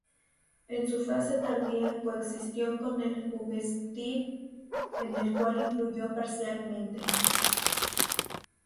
En su fase tardía coexistió con el Jugendstil, en el cual influyó parcialmente.